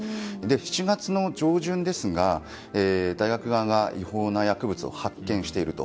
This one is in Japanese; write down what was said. ７月の上旬、大学側が違法な薬物を発見していると。